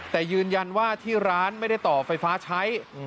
แต่ยืนยันว่าที่ร้านไม่ได้ต่อไฟฟ้าใช้